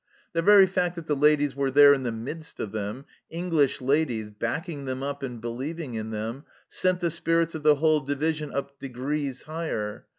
The very fact that the ladies were there in the midst of them, English ladies, backing them up and believing in them, sent the spirits of the whole Division up degrees higher.